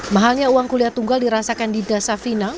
mahalnya uang kuliah tunggal dirasakan di desa finang